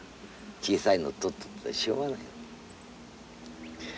小さいの取っとってもしょうがない。